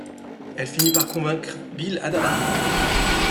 Elle finit par convaincre Bill Adama.